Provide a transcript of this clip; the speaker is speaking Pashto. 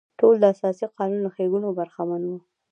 ټول د اساسي قانون له ښېګڼو برخمن وي.